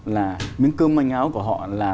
là miếng cơm manh áo của họ là